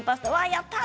やったー！